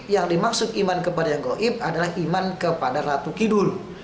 yang dimaksud iman kepada yang goib adalah iman kepada ratu kidul